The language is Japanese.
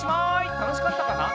たのしかったかな？